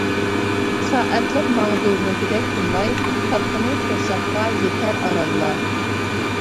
سائەتلەپ ماڭىدۇ موكىدەك تىنماي، تاپقىنى قورساققا يېتەر ئارانلا.